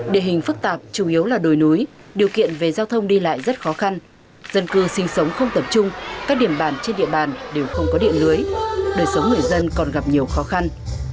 địa hình phức tạp chủ yếu là đồi núi điều kiện về giao thông đi lại rất khó khăn dân cư sinh sống không tập trung các điểm bản trên địa bàn đều không có điện lưới đời sống người dân còn gặp nhiều khó khăn